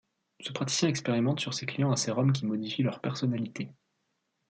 Ce praticien expérimente sur ses clients un sérum qui modifie leur personnalité.